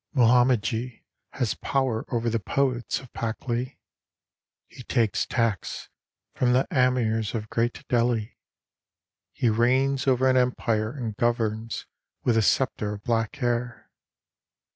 Muhammadji has power over the poets of Pakli, He takes tax from the Amirs of great Delhi. He reigns over an empire and governs with a sceptre of black hair.